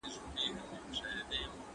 د مړاوو پاڼې علاج په اوبو کې نه و.